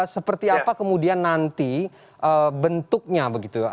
seperti apa kemudian nanti bentuknya begitu ya